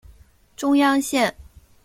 中央线